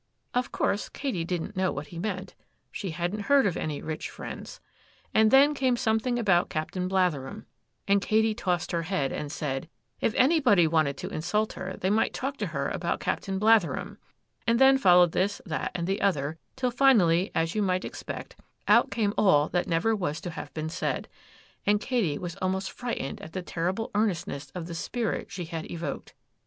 Of course Katy 'didn't know what he meant,—she hadn't heard of any rich friends.' And then came something about Captain Blatherem; and Katy tossed her head, and said, 'If anybody wanted to insult her, they might talk to her about Captain Blatherem,'—and then followed this, that, and the other, till finally, as you might expect, out came all that never was to have been said; and Katy was almost frightened at the terrible earnestness of the spirit she had evoked.